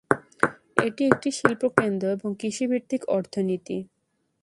এটি একটি শিল্প কেন্দ্র এবং কৃষি ভিত্তিক অর্থনীতি।